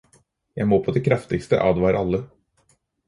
Jeg må på det kraftigste advare alle.